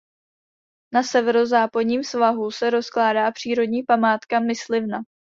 Na severozápadním svahu se rozkládá přírodní památka Myslivna.